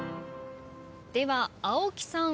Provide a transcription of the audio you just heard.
では青木さん。